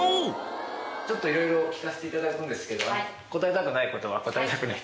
ちょっと色々聞かせていただくんですけど。